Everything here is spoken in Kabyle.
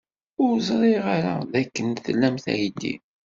Ur ẓriɣ ara dakken tlamt aydi.